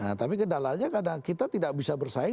nah tapi kendalanya karena kita tidak bisa bersaing